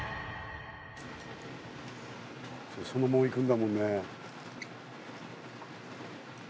そのままいくんだもんね。